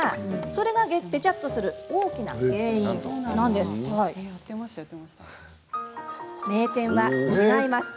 それがベチャッとする大きな原因なんです。